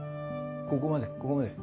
ここまでここまで。